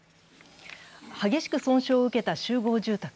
激しく損傷を受けた集合住宅。